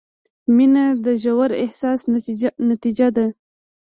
• مینه د ژور احساس نتیجه ده.